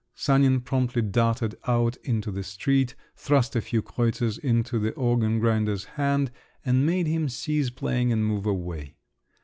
Sanin promptly darted out into the street, thrust a few kreutzers into the organ grinder's hand, and made him cease playing and move away.